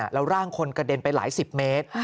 แล้วร่างคนกระเด็นไปหลายสิบเมตร